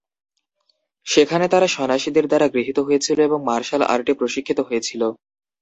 সেখানে তারা সন্ন্যাসীদের দ্বারা গৃহীত হয়েছিল এবং মার্শাল আর্টে প্রশিক্ষিত হয়েছিল।